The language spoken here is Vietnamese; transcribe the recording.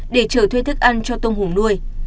để trở thuê thức ăn cho tôm hủ nuôi